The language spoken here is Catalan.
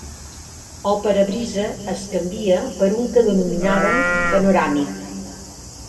El parabrisa es canvia per un que denominaven panoràmic.